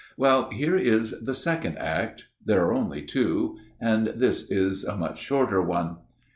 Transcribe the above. Well, here is the second Act. There are only two ; and this is a much shorter one.